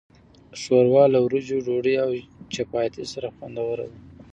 ښوروا له وریژو، ډوډۍ، او چپاتي سره خوندوره ده.